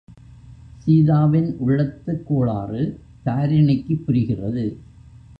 சீதாவின் உள்ளத்துக் கோளாறு தாரிணிக்குப் புரிகிறது.